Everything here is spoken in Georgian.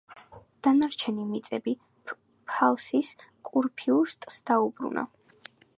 დანარჩენი მიწები პფალცის კურფიურსტს დაუბრუნდა.